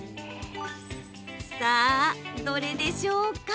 さあ、どれでしょうか。